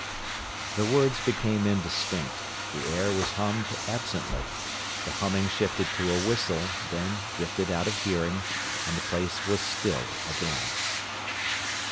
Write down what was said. The words became indistinct; the air was hummed absently; the humming shifted to a whistle, then drifted out of hearing, and the place was still again.